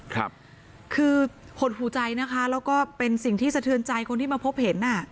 คือหดหูใจนะคะแล้วก็เป็นสิ่งที่สะเทือนใจคนที่มาพบเห็นอ่ะ